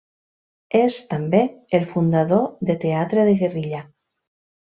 És, també, el fundador de Teatre de Guerrilla.